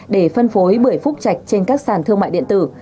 để phân phối bưởi phúc trạch trên các sàn thương mại điện tử